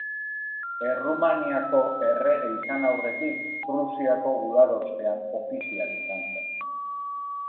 Errumaniako errege izan aurretik Prusiako gudarostean ofizial izan zen.